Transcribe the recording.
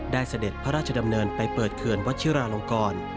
เสด็จพระราชดำเนินไปเปิดเขื่อนวัชิราลงกร